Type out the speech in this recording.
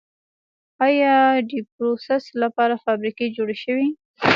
آیا دپروسس لپاره فابریکې جوړې شوي؟